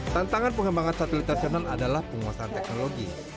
tantangan pengembangan satelit nasional adalah penguasaan teknologi